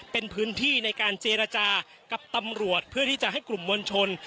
เป็นพื้นที่ในการเจรจากับตำรวจเพื่อที่จะให้กลุ่มมวลชน